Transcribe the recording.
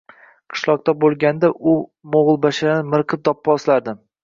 Qishloqda boʻlganda, bu moʻgʻulbasharani miriqib doʻpposlardim.